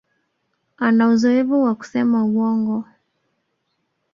Ana uzoefu wa kusema uongo